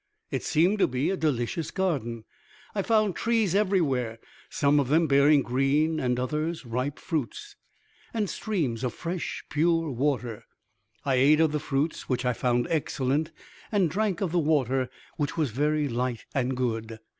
It seemed to be a delicious garden. I found trees everywhere, some of them bearing green and others ripe fruits, and streams of fresh pure water. I ate of the fruits, which I found excellent; and drank of the water, which was very light and good.